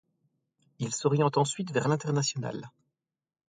Il s’oriente ensuite vers l’international.